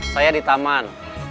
saya di taman